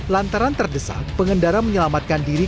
lantaran terdesak pengendara menyelamatkan diri